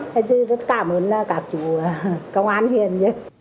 thế chứ rất cảm ơn các chú công an huyện